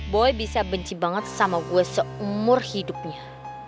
boy bisa benci banget sama gue seumur hidupnya